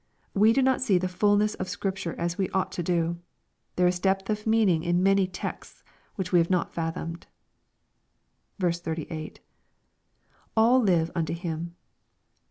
We do not see the fulness of Scripture as we ought to do. There is depth of mean ing in many texts which we have not fathomed. 38. — [All live unto him.